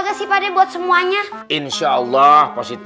gak ada saingannya loh asun